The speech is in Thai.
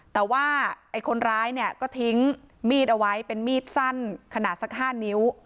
แต่ว่าไอ้คนร้ายเนี่ยก็ทิ้งมีดเอาไว้เป็นมีดสั้นขนาดสัก๕นิ้ว